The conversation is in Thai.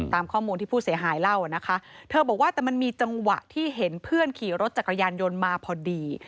ตามข้อมูลที่ผู้เสียหายเล่านะคะเธอบอกว่าแต่มันมีจังหวะที่เห็นเพื่อนขี่รถจักรยานยนต์มาพอดี